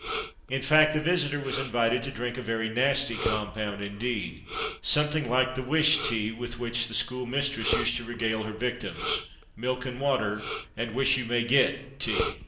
In fact the visitor was invited to drink a very nasty compound indeed, something like the "wish" tea with which the school mistress used to regale her victims milk and water, and "wish you may get" tea!